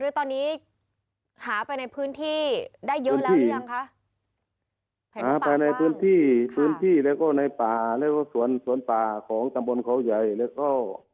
ตอนนี้หาไปในพื้นที่ได้เยอะแล้วหรือยังคะหาภายในพื้นที่พื้นที่แล้วก็ในป่าแล้วก็สวนสวนป่าของตำบลเขาใหญ่แล้วก็